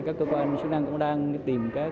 các cơ quan chức năng cũng đang tìm